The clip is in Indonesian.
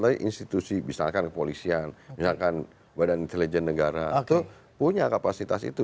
tapi institusi misalkan kepolisian misalkan badan intelijen negara itu punya kapasitas itu